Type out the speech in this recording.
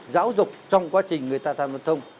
giáo dục trong quá trình người ta tham gia thông